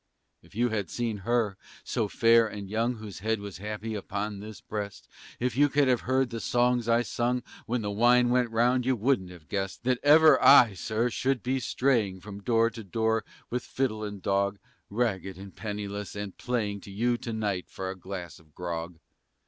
If you had seen her, so fair and young, Whose head was happy on this breast! If you could have heard the songs I sung When the wine went round, you wouldn't have guessed That ever I, Sir, should be straying From door to door, with fiddle and dog, Ragged and penniless, and playing To you to night for a glass of grog!